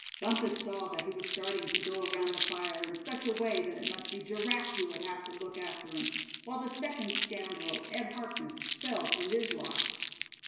Bumpus saw that he was starting to go around the fire in such a way that it must be Giraffe who would have to look after him; while the second scoundrel, Ed Harkness, fell to his lot.